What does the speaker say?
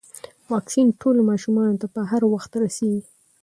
واکسین ټولو ماشومانو ته په وخت رسیږي.